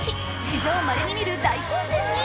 史上まれに見る大混戦に。